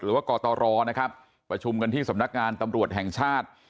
กตรนะครับประชุมกันที่สำนักงานตำรวจแห่งชาติ